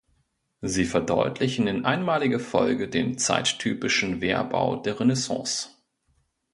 Sie verdeutlichen in einmaliger Folge den zeittypischen Wehrbau der Renaissance.